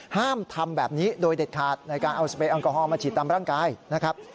ห้ามทำแบบนี้โดยเด็ดขาดในการเอาสเปรแอลกอฮอลมาฉีดตามร่างกายนะครับ